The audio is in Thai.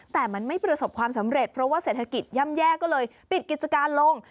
แต่มันไม่ประสบความสำเร็จเพราะว่าเศรษฐกิจย่ำแย่ก็เลยปิดกิจการลง